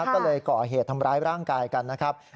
ก็เลยก่อเหตุทำร้ายร่างกายกันนะครับ